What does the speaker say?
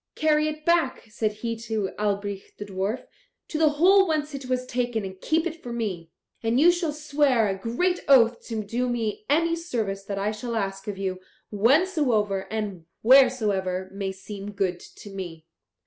'Carry it back,' said he to Albrich the dwarf, 'to the hole whence it was taken, and keep if for me. And you shall swear a great oath to do me any service that I shall ask of you, whensoever and wheresoever may seem good to me.'